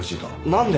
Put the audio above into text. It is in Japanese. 何で？